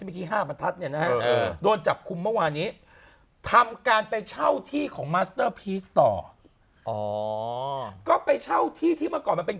ไม่รู้ครับเขาเฝ้าบ้าน